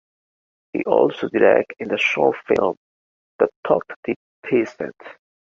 He also directed in the short film “The talkative peasant”.